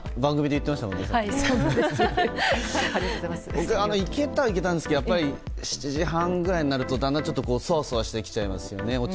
僕は行けたは行けたんですけど７時半くらいになると、だんだんそわそわしてきちゃいますよね。